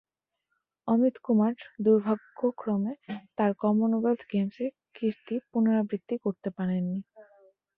অমিত কুমার দুর্ভাগ্যক্রমে তাঁর কমনওয়েলথ গেমসের কীর্তি পুনরাবৃত্তি করতে পারেন নি।